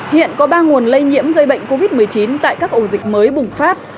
hiện có ba nguồn lây nhiễm gây bệnh covid một mươi chín tại các ổ dịch mới bùng phát